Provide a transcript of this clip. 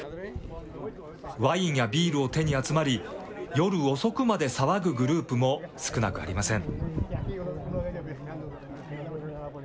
ワインやビールを手に集まり、夜遅くまで騒ぐグループも少なくありません。